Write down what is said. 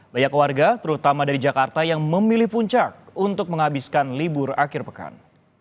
banyak warga terutama dari jakarta yang memilih puncak untuk menghabiskan libur akhir pekan